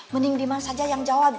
mending dimana saja yang jawab